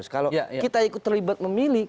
kalau kita terlibat memilih